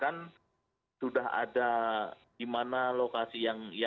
dan mereka tahu bahkan sudah ada di mana lokasi yang berada